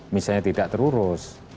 misalnya tidak terurus